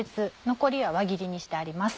残りは輪切りにしてあります。